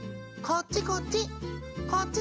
・こっちこっち！